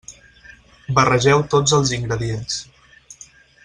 Barregeu tots els ingredients.